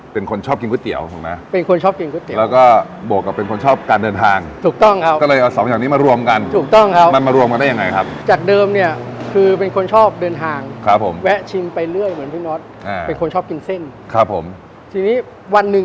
เป็นคนชอบกินก๋วยเตี๋ยวถูกไหมเป็นคนชอบกินก๋วยเตี๋ยวแล้วก็บวกกับเป็นคนชอบการเดินทางถูกต้องครับก็เลยเอาสองอย่างนี้มารวมกันถูกต้องครับมันมารวมกันได้ยังไงครับจากเดิมเนี่ยคือเป็นคนชอบเดินทางครับผมแวะชิมไปเรื่อยเหมือนพี่น็อตอ่าเป็นคนชอบกินเส้นครับผมทีนี้วันหนึ่ง